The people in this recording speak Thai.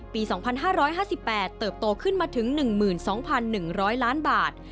ปี๒๕๕๘เติบโตขึ้นมาถึง๑๒๑๐๐ล้านบาท